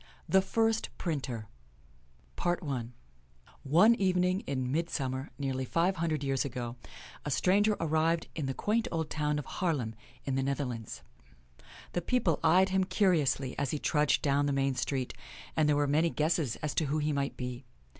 THE FIRST PRINTER One evening in midsummer, nearly five hundred years ago, a stranger arrived in the quaint old town of Haarlem, in the Netherlands. The people eyed him curiously as he trudged down the main street, and there were many guesses as to who he might be.